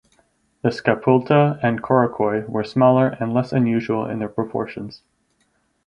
The scapula and coracoid were smaller and less unusual in their proportions.